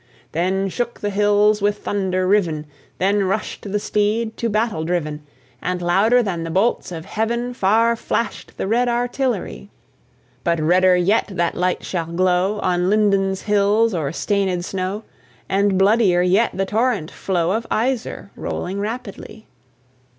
Then shook the hills with thunder riven, Then rush'd the steed to battle driven, And louder than the bolts of Heaven, Far flashed the red artillery. But redder yet that light shall glow On Linden's hills or stainèd snow; And bloodier yet the torrent flow Of Iser, rolling rapidly.